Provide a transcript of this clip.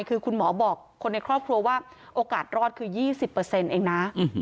คือคุณหมอบอกคนในครอบครัวว่าโอกาสรอดคือ๒๐เองนะ